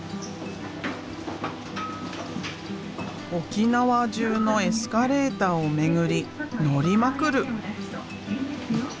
沖縄中のエスカレーターを巡り乗りまくる。